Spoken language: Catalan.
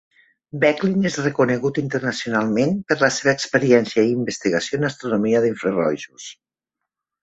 Becklin és reconegut internacionalment per la seva experiència i investigació en astronomia d'infrarojos.